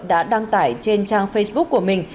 đã đăng tải trên trang facebook của mình